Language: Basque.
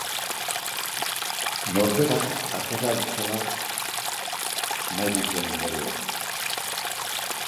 Norberak atera ditzala nahi dituen ondorioak.